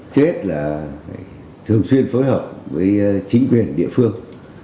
trước hết là thường xuyên phối hợp với chính quyền địa phương